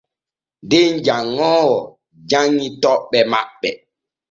Den janŋoowo janŋi toɓɓe maɓɓe.